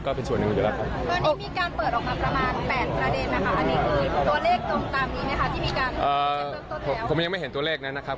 ก็เป็นส่วนหนึ่งอยู่แล้วครับ